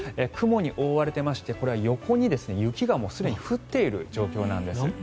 雲に覆われていまして横に雪がすでに降っている状況なんです。